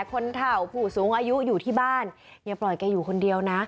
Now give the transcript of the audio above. คนเท่าผู้สูงอายุอยู่ที่บ้านอย่าปล่อยแกอยู่คนเดียวนะ